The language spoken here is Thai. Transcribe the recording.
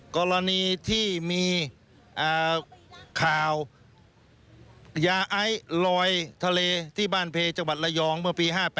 กรณีที่มีข่าวยาไอลอยทะเลที่บ้านเพจังหวัดระยองเมื่อปี๕๘